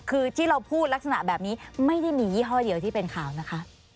คือที่เราพูดลักษณะแบบนี้ไม่ได้มียี่ห้อเดียวที่เป็นข่าวนะคะ